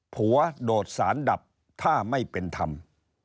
ผัวโดดสารดับถ้าไม่เป็นทำ